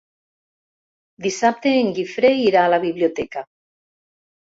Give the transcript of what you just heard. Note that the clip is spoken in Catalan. Dissabte en Guifré irà a la biblioteca.